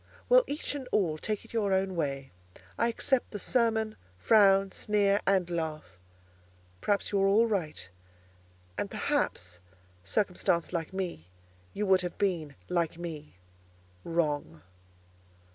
Well, each and all, take it your own way. I accept the sermon, frown, sneer, and laugh; perhaps you are all right: and perhaps, circumstanced like me, you would have been, like me, wrong.